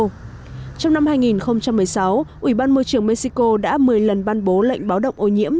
trong năm hai nghìn một mươi sáu ủy ban môi trường mexico đã một mươi lần ban bố lệnh báo động ô nhiễm